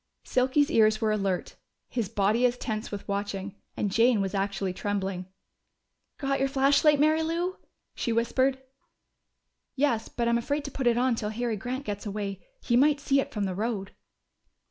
Silky's ears were alert, his body as tense with watching, and Jane was actually trembling. "Got your flashlight, Mary Lou?" she whispered. "Yes, but I'm afraid to put it on till Harry Grant gets away. He might see it from the road."